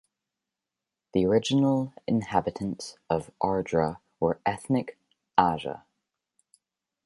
The original inhabitants of Ardra were ethnic Aja.